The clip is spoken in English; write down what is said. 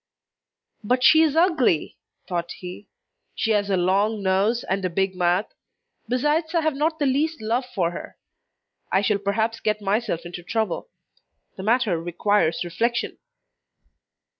"But she is ugly," thought he. "She has a long nose, and a big mouth. Besides, I have not the least love for her. I shall perhaps get myself into trouble. The matter requires reflection."